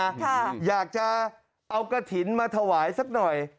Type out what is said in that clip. ค่ะอยากจะเอากระถิ่นมาถวายสักหน่อย